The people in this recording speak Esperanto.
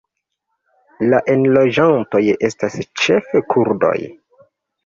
La enloĝantoj estas ĉefe kurdoj.